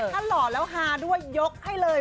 ถ้าหล่อแล้วฮาด้วยยกให้เลย